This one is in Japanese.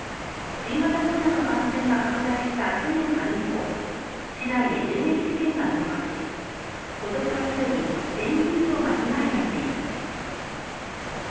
新型コロナの感染が拡大した去年の春以降市内で銃撃事件が増加し今年はすでに１０００人以上が被害に遭っています。